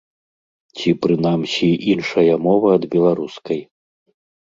Ці, прынамсі, іншая мова ад беларускай.